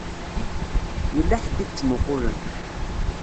Yella ḥedd i yettmuqqulen.